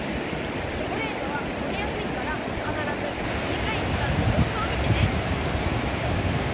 チョコレートはこげやすいからかならずみじかいじかんでようすをみてね！